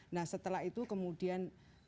nah setelah itu kemudian